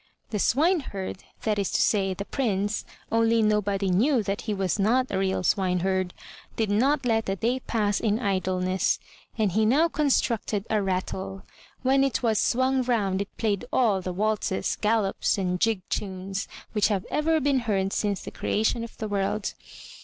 The swineherd — that is to say, the Prince, only nobody knew that he was not a real swineherd — did not let the day pass in idleness, and he now constructed a rattle. When it was swung round it played all the waltzes, gallops and jig tunes which have ever been heard since the creation of the world.